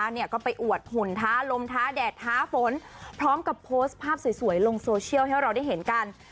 เนี่ยก็ไปอวดหุ่นท้าลมท้าแดดท้าฝนพร้อมกับโพสต์ภาพสวยลงโซเชียลให้เราได้เห็นกัน